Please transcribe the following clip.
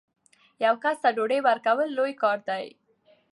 یو کس ته ډوډۍ ورکول لوی کار دی.